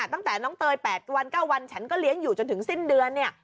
ตั้งแต่น้องเตย๘วัน๙วันฉันก็เลี้ยงอยู่จนถึงสิ้นเดือนเนี่ย